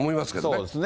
そうですね。